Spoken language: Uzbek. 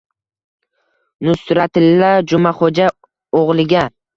Nusratilla Jumaxoʼja oʼgʼliga